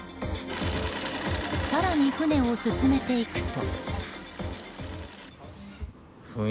更に船を進めていくと。